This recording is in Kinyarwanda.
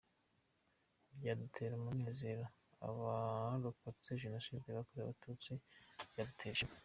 Byadutera umunezero abarokotse Jenoside yakorewe abatutsi, byadutera ishema.